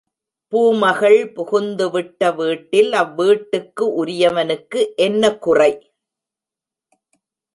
பூமகள் புகுந்துவிட்ட வீட்டில் அவ் வீட்டுக்கு உரியவனுக்கு என்ன குறை?